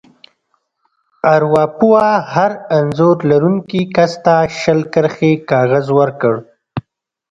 ارواپوه هر انځور لرونکي کس ته شل کرښې کاغذ ورکړ.